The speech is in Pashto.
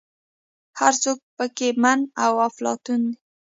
هر څوک په کې من او افلاطون دی.